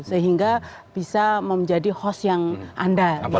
sehingga bisa menjadi host yang andal